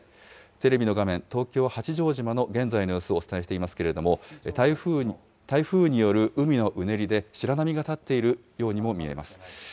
テレビの画面、東京・八丈島の現在の様子をお伝えしていますけれども、台風による海のうねりで白波が立っているようにも見えます。